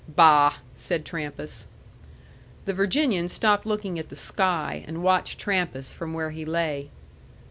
"Bah!" said Trampas. The Virginian stopped looking at the sky, and watched Trampas from where he lay.